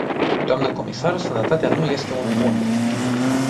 Dnă comisar, sănătatea nu este un bun.